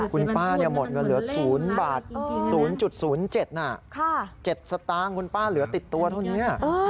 คุณป้าหมดเงินเหลือ๐บาท๐๐๗สตางค์คุณป้าเหลือติดตัวเท่านี้